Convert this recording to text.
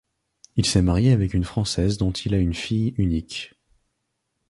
Il s'est marié avec une Française dont il a une fille unique.